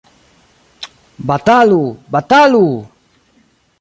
Batalu! batalu!